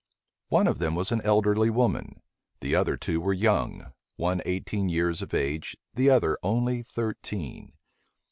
One of them was an elderly woman: the other two were young; one eighteen years of age, the other only thirteen.